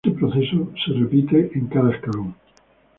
Este proceso se repite en cada escalón.